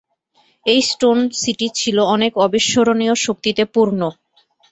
এই stone city ছিলো অনেক অবিস্মরণীয় শক্তিতে পুর্ণ।